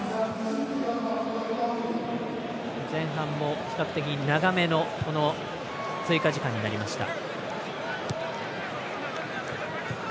前半も比較的長めの追加時間になりました。